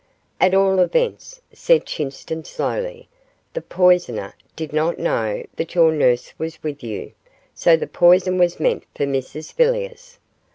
'At all events,' said Chinston, slowly, 'the poisoner did not know that your nurse was with you, so the poison was meant for Mrs Villiers.